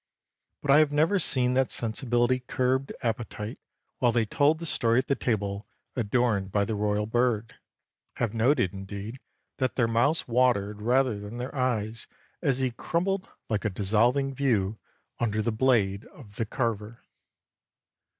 But I have never seen that sensibility curbed appetite while they told the story at the table adorned by the royal bird; have noted, indeed, that their mouths watered rather than their eyes, as he crumbled, like a dissolving view, under the blade of the carver.